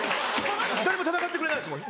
誰も戦ってくれないですもん